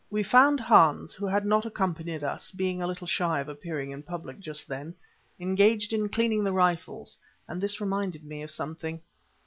We found Hans, who had not accompanied us, being a little shy of appearing in public just then, engaged in cleaning the rifles, and this reminded me of something.